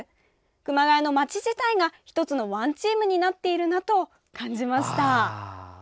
熊谷の街自体が１つのワンチームになっていると感じました。